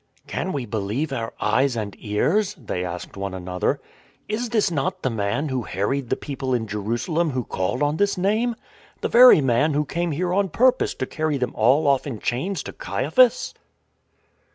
"Can we believe our eyes and ears?" they asked one another. " Is this not the man who harried the people in Jerusalem who called on this Name; the very man who came here on purpose to carry them all off in chains to Caiaphas?